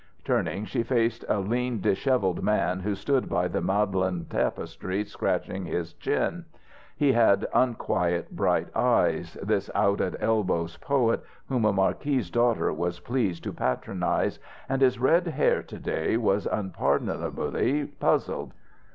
Turning, she faced a lean dishevelled man who stood by the Magdalen tapestry scratching his chin. He had unquiet bright eyes, this out at elbows poet whom a marquis's daughter was pleased to patronize, and his red hair to day was unpardonably puzzled.